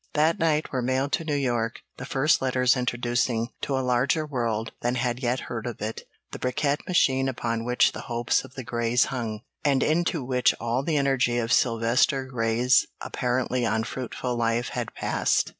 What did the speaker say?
That night were mailed to New York the first letters introducing to a larger world than had yet heard of it the bricquette machine upon which the hopes of the Greys hung, and into which all the energy of Sylvester Grey's apparently unfruitful life had passed.